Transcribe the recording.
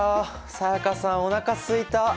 才加さんおなかすいた！